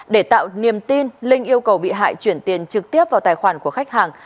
để tạo niềm tin linh yêu cầu bị hại chuyển tiền trực tiếp vào tài khoản của khách hàng